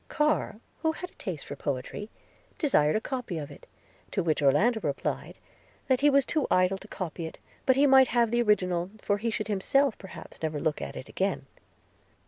Carr, who had a taste for poetry, desired a copy of it; to which Orlando replied, 'that he was too idle to copy it, but that he might have the original, for he should himself perhaps never look at it again.'